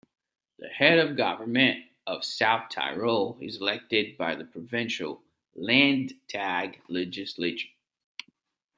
The head of government of South Tyrol is elected by the provincial "Landtag" legislature.